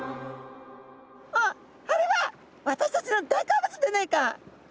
「あっあれは私たちの大好物でねえか」。